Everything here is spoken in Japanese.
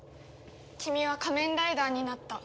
君は仮面ライダーになった。